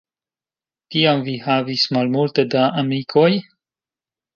Tiam vi havis malmulte da amikoj?